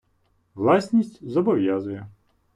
Власність зобов'язує.